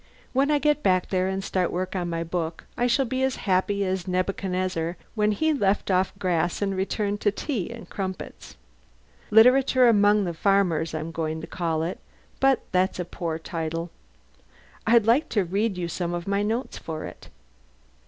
When I get back there and start work on my book I shall be as happy as Nebuchadnezzar when he left off grass and returned to tea and crumpets. 'Literature Among the Farmers' I'm going to call it, but that's a poor title. I'd like to read you some of my notes for it."